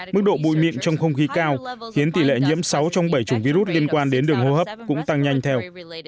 mức độ bụi mịn trong không khí cao khiến tỷ lệ nhiễm sáu trong bảy chủng virus liên quan đến đường hô hấp cũng tăng nhanh theo